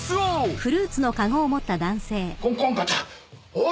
おい！